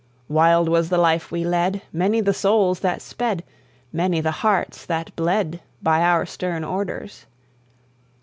Wild was the life we led; Many the souls that sped, Many the hearts that bled, By our stern orders.